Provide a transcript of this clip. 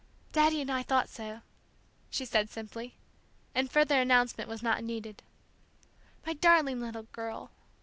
"Daddy and I thought so," she said simply; and further announcement was not needed. "My darling little girl!"